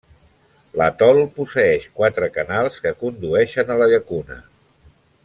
L'atol posseeix quatre canals que condueixen a la llacuna.